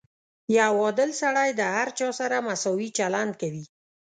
• یو عادل سړی د هر چا سره مساوي چلند کوي.